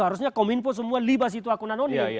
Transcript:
harusnya kominfo semua libas itu akun anonim